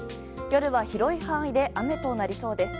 夜は広い範囲で雨となりそうです。